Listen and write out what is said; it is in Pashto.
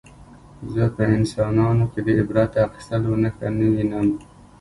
زه په انسانانو کې د عبرت اخیستلو نښه نه وینم